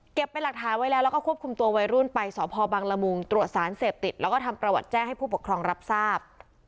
เป็นหลักฐานไว้แล้วแล้วก็ควบคุมตัววัยรุ่นไปสพบังละมุงตรวจสารเสพติดแล้วก็ทำประวัติแจ้งให้ผู้ปกครองรับทราบ